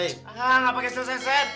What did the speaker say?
enggak enggak pakai selesai seth